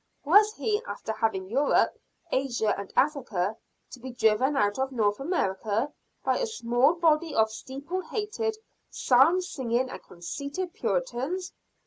Was he, after having Europe, Asia and Africa, to be driven out of North America by a small body of steeple hatted, psalm singing, and conceited Puritans?